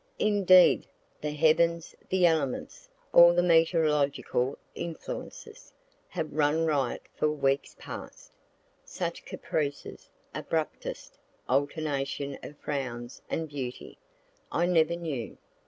Indeed, the heavens, the elements, all the meteorological influences, have run riot for weeks past. Such caprices, abruptest alternation of frowns and beauty, I never knew.